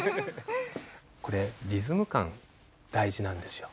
これリズム感大事なんですよ。